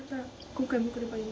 今回もおくればいい？